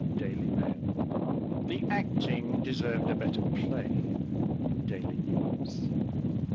Daily Mail. "The acting deserved a better play." _Daily News.